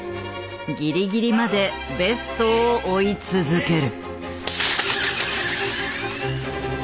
ギリギリまでベストを追い続ける。